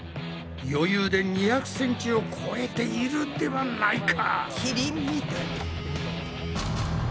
余裕で２００ｃｍを超えているではないか！